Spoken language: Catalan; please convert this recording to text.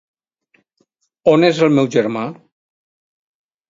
On és el meu germà?